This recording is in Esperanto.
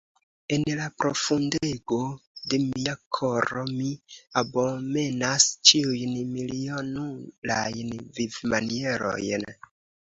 En la profundego de mia koro mi abomenas ĉiujn milionulajn vivmanierojn!